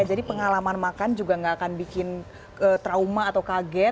jadi pengalaman makan juga nggak akan bikin trauma atau kaget